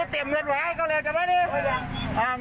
ต้องไปเตรียมไว้ต้องไปทรีย์ไหม